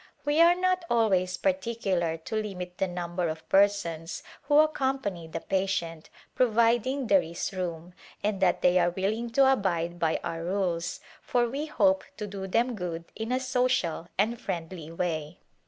We are not always particular to limit the number of persons who accom pany the patient, providing there is room, and that they are willing to abide by our rules, for we hope to do them good in a social and friendly way.